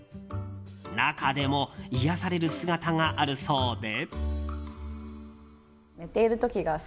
中でも、癒やされる姿があるそうで。